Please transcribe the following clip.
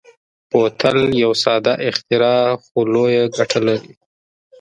بوتل یو ساده اختراع خو لویه ګټه لري.